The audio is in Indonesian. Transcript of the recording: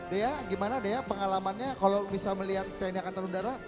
dea gimana dea pengalamannya kalau bisa melihat tni angkatan udara